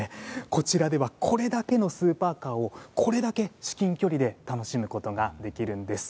こちらではこれだけのスーパーカーをこれだけ至近距離で楽しむことができるんです。